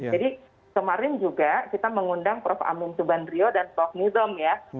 jadi kemarin juga kita mengundang prof amin subandrio dan prof nizam ya